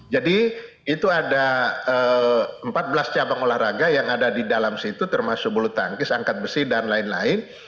jadi itu ada empat belas cabang olahraga yang ada di dalam situ termasuk bulu tangkis angkat besi dan lain lain